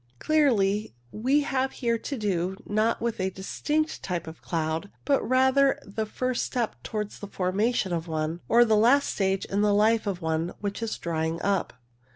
Clearly we have here to do, not with a distinct type of cloud, but rather with the first step towards the formation of one, or the last stage in the life of one which is drying up.